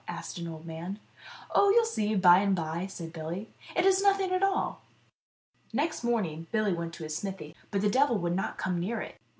asked an old man. " Oh, you'll see by and bye," said Billy ;" it is nothing at all." Next morning Billy went to his smithy, but the devil would not come near it.